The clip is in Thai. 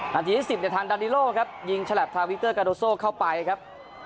นาทีที่๑๐เนี่ยทางดาดิโลครับยิงฉลับทาวิกเตอร์กาโดโซเข้าไปครับ